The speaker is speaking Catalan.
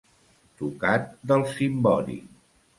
Tocat del cimbori.